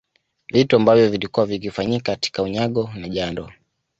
Vitu ambavyo vilikuwa vikifanyika katika unyago na jando